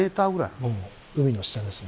もう海の下ですね。